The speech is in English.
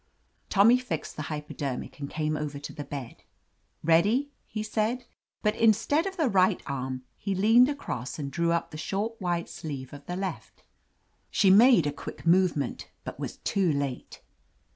Tommy fixed the hypodermic and came over to the bed. "Ready!" he said, but in stead of the right arm, he leaned across and drew up the short white sleeve of the left She made a quick movement, but was too late.